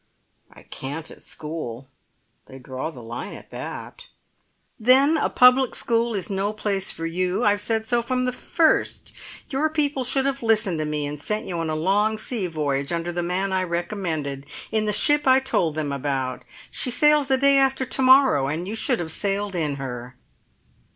"I can't at school. They draw the line at that." "Then a public school is no place for you. I've said so from the first. Your people should have listened to me, and sent you on a long sea voyage under the man I recommended, in the ship I told them about. She sails the day after to morrow, and you should have sailed in her."